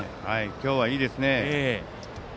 今日はいいですね。